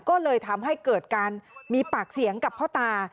ก็เลยทำให้เกิดการมีปากเสียงกับพ่อตา